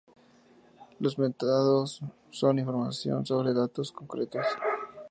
Los metadatos son información sobre datos concretos.